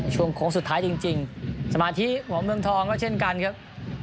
ช่วงโค้งสุดท้ายจริงสมาธิของเมืองทองก็เช่นกันครับ